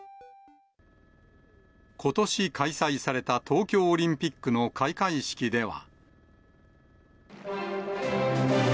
ことし開催された東京オリンピックの開会式では。